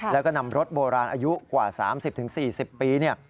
แล้วก็นำรถโบราณอายุกว่า๓๐๔๐ปี